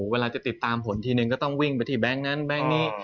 เวลาจะติดตามผลทีนึงก็ต้องวิ่งไปที่แบงค์นั้นแก๊งนี้